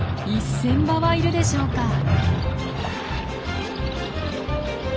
１，０００羽はいるでしょうか。